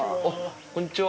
こんにちは。